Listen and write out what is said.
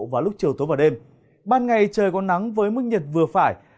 vào lúc chiều tối và đêm ban ngày trời có nắng với mức nhiệt vừa phải